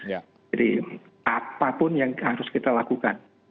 jadi apapun yang harus kita lakukan